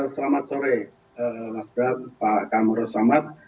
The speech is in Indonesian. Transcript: selamat sore pak kamarus samad